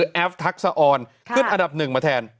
แอฟทักษะออนขึ้นอันดับหนึ่งมาแทน